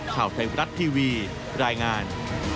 ข่าวใจรัดทีวีรายงาน